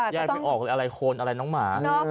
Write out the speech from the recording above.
แยกไม่ออกเลยอะไรโคนอะไรน้องหมา